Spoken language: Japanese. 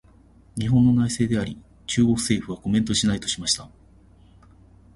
「日本の内政であり、中国政府はコメントしない」としました。